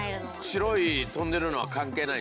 白い飛んでるのは関係ない？